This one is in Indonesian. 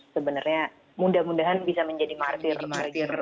sebenarnya mudah mudahan bisa menjadi martir